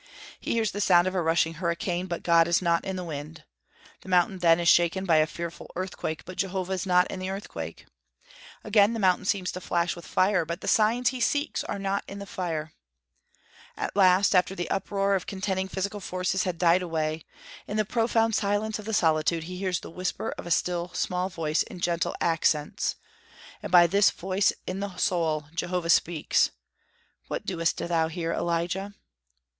He hears the sound of a rushing hurricane; but God is not in the wind. The mountain then is shaken by a fearful earthquake; but Jehovah is not in the earthquake. Again the mountain seems to flash with fire; but the signs he seeks are not in the fire. At last, after the uproar of contending physical forces had died away, in the profound silence of the solitude he hears the whisper of a still small voice in gentle accents; and by this voice in the soul Jehovah speaks: "What doest thou here, Elijah?"